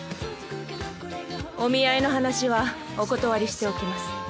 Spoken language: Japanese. お見合いの話はお断りしておきます。